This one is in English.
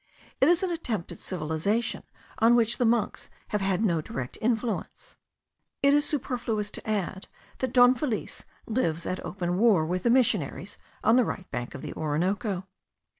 It is an attempt at civilization, on which the monks have had no direct influence. It is superfluous to add, that Don Felix lives at open war with the missionaries on the right bank of the Orinoco.